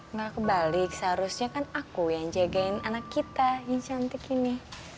nggak kebalik seharusnya kan aku yang jagain anak kita yang cantik ini